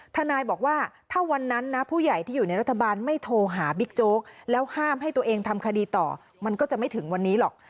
ทนายบอกว่าถ้าวันนั้นนะผู้ใหญ่ที่อยู่ในรัฐบาลไม่โทรหาบิ๊กโจ๊กแล้วห้ามให้ตัวเองทำคดีต่อมันก็จะไม่ถึงวันนี้หรอก